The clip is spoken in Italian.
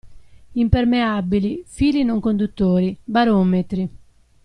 Impermeabili, fili non conduttori, barometri.